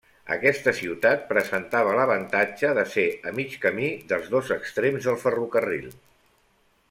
Aquesta ciutat presentava l'avantatge de ser a mig camí dels dos extrems del ferrocarril.